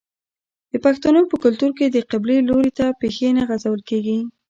د پښتنو په کلتور کې د قبلې لوري ته پښې نه غځول کیږي.